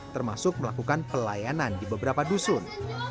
termasuk melakukan pelayanan di beberapa dusun